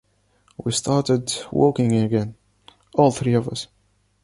We started walking again, all three of us.